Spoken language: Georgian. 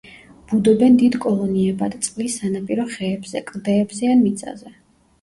ბუდობენ დიდ კოლონიებად წყლის სანაპირო ხეებზე, კლდეებზე ან მიწაზე.